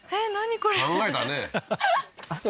これ考えたね